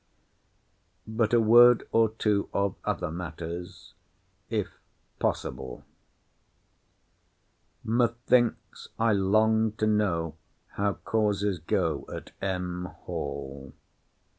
But a word or two of other matters, if possible. Methinks I long to know how causes go at M. Hall.